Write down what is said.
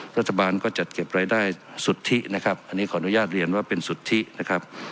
รัฐบาลก็จัดเก็บรายได้สุทธินะครับอันนี้ขออนุญาตเรียนว่าเป็นสุทธินะครับ